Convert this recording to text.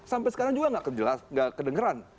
sampai sekarang juga nggak kedengeran